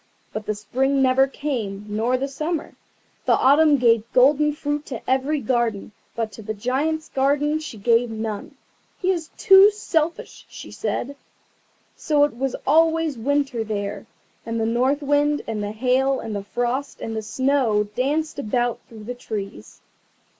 But the Spring never came, nor the Summer. The Autumn gave golden fruit to every garden, but to the Giant's garden she gave none. "He is too selfish," she said. So it was always Winter there, and the North Wind, and the Hail, and the Frost, and the Snow danced about through the trees.